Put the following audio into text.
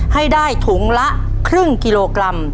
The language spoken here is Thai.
ให้ได้ถุงละครึ่งกิโลกรัม